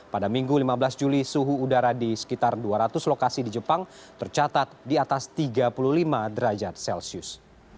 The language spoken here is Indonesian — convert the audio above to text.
pada minggu lima belas juli suhu udara di sekitar dua ratus lokasi di jepang tercatat di atas tiga puluh lima derajat celcius